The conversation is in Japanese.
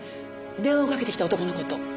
電話をかけてきた男の事。